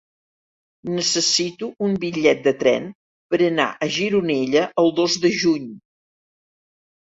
Necessito un bitllet de tren per anar a Gironella el dos de juny.